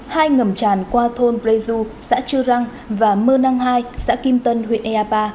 hai ngầm tràn qua thôn preju xã chư răng và mơ năng hai xã kim tân huyện ea ba